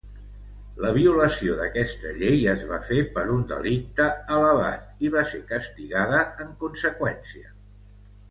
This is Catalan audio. La violació d'aquesta llei es va fer per un delicte elevat i va ser castigada en conseqüència.